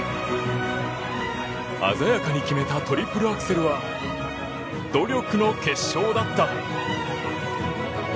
鮮やかに決めたトリプルアクセルは努力の結晶だった。